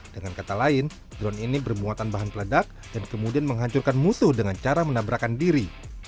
dengan kata lain drone ini bermuatan bahan peledak dan kemudian menghancurkan musuh dengan cara menabrakan diri